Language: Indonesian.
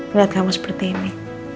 lihat kamu seperti ini